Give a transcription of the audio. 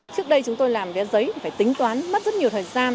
trước đây chúng tôi làm vé giấy phải tính toán mất rất nhiều thời gian